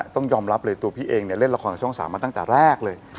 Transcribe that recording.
ต้องยอมรับเลยตัวพี่เองเล่นละครกับช่อง๓มาตั้งแต่แรกเลย